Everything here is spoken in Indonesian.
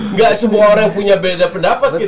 nggak semua orang punya pendapat berbeda